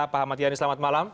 pak ahmad yani selamat malam